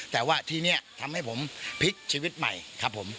แต่ว่าทีนี้ทำให้ผมพลิกชีวิตใหม่ครับผม